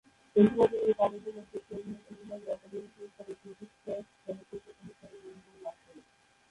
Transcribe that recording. এছাড়া তিনি এই কাজের জন্য শ্রেষ্ঠ অভিনেত্রী বিভাগে একাডেমি পুরস্কার ও ক্রিটিকস চয়েস চলচ্চিত্র পুরস্কারের মনোনয়ন লাভ করেন।